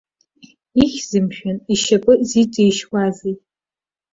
Ихьзеи, мшәан, ишьапы зиҵишьуазеи?